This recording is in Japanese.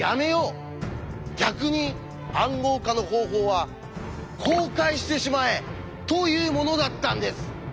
逆に「暗号化の方法」は公開してしまえ！というものだったんです。